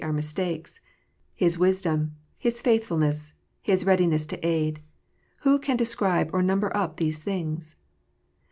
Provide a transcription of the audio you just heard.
251 our mistakes, His wisdom, His faithfulness, His readiness to nidj w ho can describe or number up these things?